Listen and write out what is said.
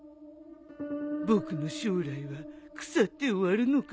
僕の将来は腐って終わるのかな。